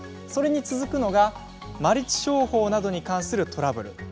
それに続くのが「マルチ商法などに関するトラブル」。